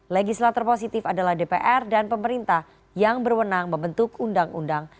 legislator positif adalah dpr dan pemerintah yang berwenang membentuk undang undang